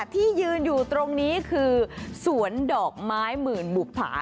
ที่ยืนอยู่ตรงนี้คือสวนดอกไม้หมื่นบุภา